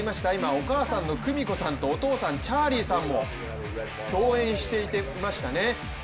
お母さんの久美子さんとお父さんのチャーリーさんも共演していましたね。